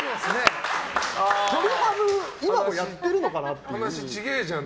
鶏ハム、今もやってるのかなって。